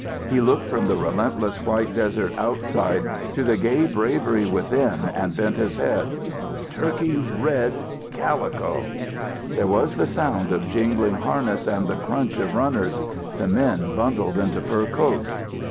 He looked from the relentless white desert outside to the gay bravery within and bent his head. "Turkey red calico!" There was the sound of jingling harness and the crunch of runners. The men bundled into fur coats.